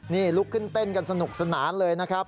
นี่ลุกขึ้นเต้นกันสนุกสนานเลยนะครับ